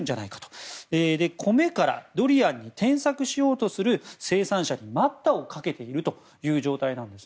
それで、米からドリアンに転作しようとする生産者に待ったをかけているという状態なんです。